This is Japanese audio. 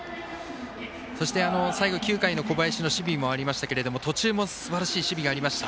そして９回の小林の守備もありましたが途中もすばらしい守備がありました。